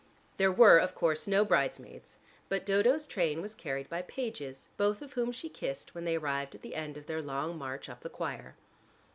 There were of course no bridesmaids, but Dodo's train was carried by pages, both of whom she kissed when they arrived at the end of their long march up the choir.